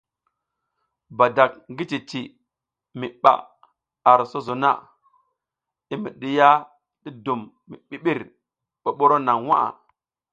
Badak ngi buruk mi ɓaʼa ar sozo na i mi ɗiya ti dum mi ɓiɓir ɓoɓoro naŋ nwa.